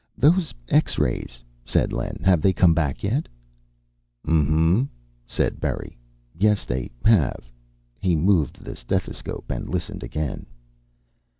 "Those X rays," said Len. "Have they come back yet?" "Mm hm," said Berry. "Yes, they have." He moved the stethoscope and listened again.